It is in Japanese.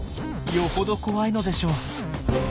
よほど怖いのでしょう。